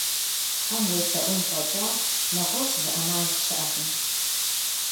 Тхьэм уелъэӀун фӀэкӀа, нэгъуэщӀ зы Ӏэмал щыӏэкъым.